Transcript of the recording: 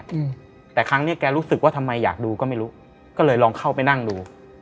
อืมแต่ครั้งเนี้ยแกรู้สึกว่าทำไมอยากดูก็ไม่รู้ก็เลยลองเข้าไปนั่งดู